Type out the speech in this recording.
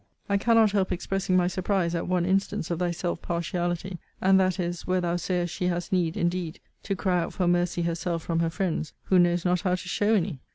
I cannot help expressing my surprise at one instance of thy self partiality; and that is, where thou sayest she has need, indeed, to cry out for mercy herself from her friends, who knows not how to show any.